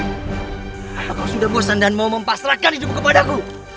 apa kau sudah bosan dan mau mempasrakan hidupmu kepada aku